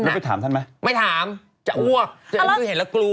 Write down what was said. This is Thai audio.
ไม่ไปถามท่านไหมไม่ถามจะอ้วกเห็นแล้วกลัว